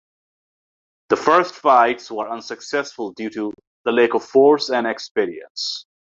The first fights were unsuccessful due to the lack of force and experience.